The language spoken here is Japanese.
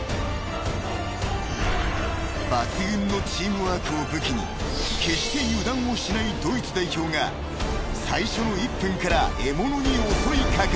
［抜群のチームワークを武器に決して油断をしないドイツ代表が最初の１分から獲物に襲い掛かる］